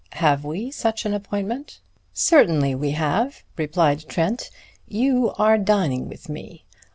"Have we such an appointment?" "Certainly we have," replied Trent. "You are dining with me.